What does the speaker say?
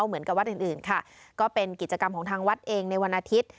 เหมือนกับวัดอื่นอื่นค่ะก็เป็นกิจกรรมของทางวัดเองในวันอาทิตย์